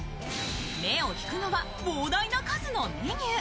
目を引くのは膨大な数のメニュー。